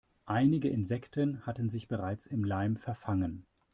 Einige Insekten hatten sich bereits im Leim verfangen.